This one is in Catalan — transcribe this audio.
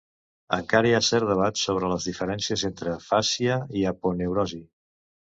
Encara hi ha cert debat sobre les diferències entre fàscia i aponeurosi.